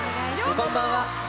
こんばんは。